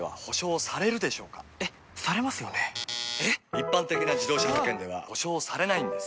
一般的な自動車保険では補償されないんです